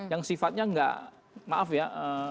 yang sifatnya nggak maaf ya